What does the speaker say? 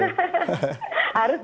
harus dong harus